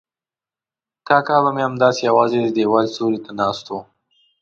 کاکا به مې همداسې یوازې د دیوال سیوري ته ناست و.